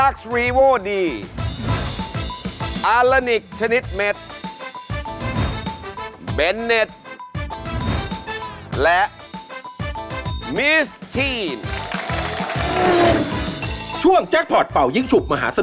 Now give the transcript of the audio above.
กรรมทุนโมนอัตโธภาพบท